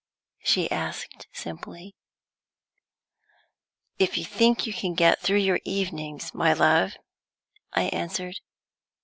she asked, simply. "If you think you can get through your evenings, my love," I answered.